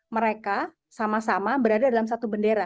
mereka sama sama berada dalam satu bendera